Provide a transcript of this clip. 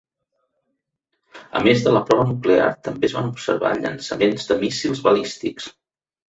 A més de la prova nuclear, també es van observar llançaments de míssils balístics.